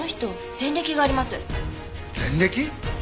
前歴？